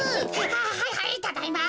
はいはいただいま。